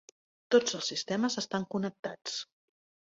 Tots els sistemes estan connectats.